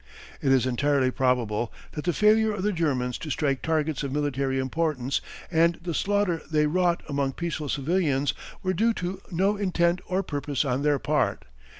It is entirely probable that the failure of the Germans to strike targets of military importance and the slaughter they wrought among peaceful civilians were due to no intent or purpose on their part.